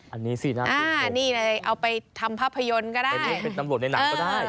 อันนี้สิน่าสุดนี่เอาไปทำภาพยนตร์ก็ได้เป็นตำรวจในหนังก็ได้